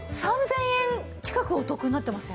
３０００円近くお得になってません？